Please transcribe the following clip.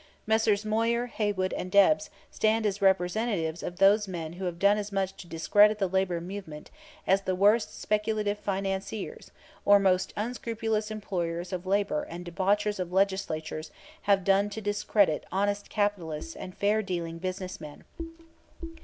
Messrs. Moyer, Haywood, and Debs stand as representatives of those men who have done as much to discredit the labor movement as the worst speculative financiers or most unscrupulous employers of labor and debauchers of legislatures have done to discredit honest capitalists and fair dealing business men.